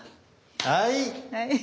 はい。